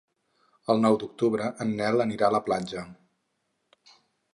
El nou d'octubre en Nel anirà a la platja.